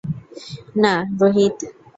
না, রোহিত।